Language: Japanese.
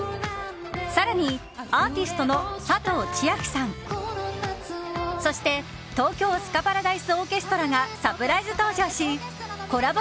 更にアーティストの佐藤千亜妃さんそして東京スカパラダイスオーケストラがサプライズ登場しコラボ